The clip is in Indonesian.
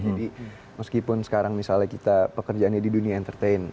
jadi meskipun sekarang misalnya kita pekerjaannya di dunia entertain